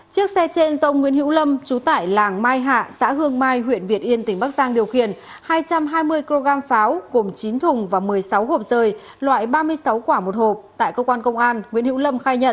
chiếc xe trên do nguyễn hữu lâm trú tải làng mai hạ xã hương mai huyện việt yên tỉnh bắc giang điều khiển hai trăm hai mươi kg pháo cùng chín thùng và một mươi sáu hộp rời loại ba mươi sáu quả một hộp tại cơ quan công an nguyễn hữu lâm khai nhận